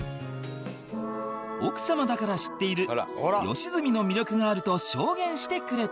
奥様だから知っている良純の魅力があると証言してくれた